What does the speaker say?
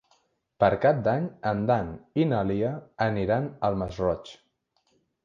Per Cap d'Any en Dan i na Lia aniran al Masroig.